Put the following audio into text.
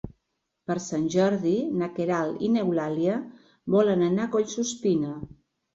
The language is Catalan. Per Sant Jordi na Queralt i n'Eulàlia volen anar a Collsuspina.